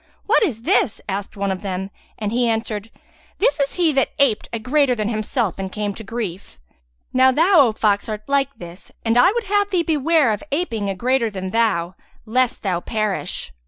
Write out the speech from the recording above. "What is this?" asked one of them; and he answered, "This is he that aped a greater than himself and came to grief." "Now thou, O fox, art like this and I would have thee beware of aping a greater than thou, lest thou perish.